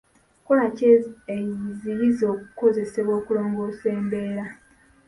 Nkola ki eziyinza okukozesebwa okulongoosa embeera?